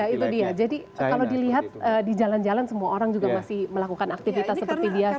itu dia jadi kalau dilihat di jalan jalan semua orang juga masih melakukan aktivitas seperti biasa